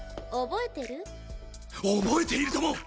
覚えているとも！